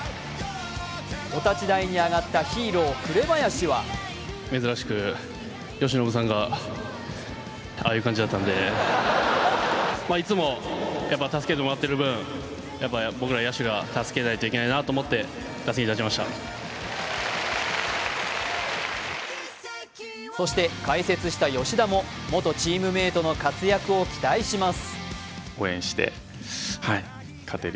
お立ち台に上がったヒーロー・紅林はそして解説した吉田も元チームメイトの活躍を期待します。